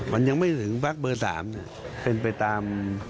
มันยังไม่ถึงพักเบอร์๓เป็นไปตาม